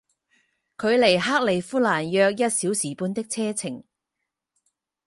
距离克利夫兰约一小时半的车程。